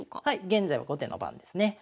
現在は後手の番ですね。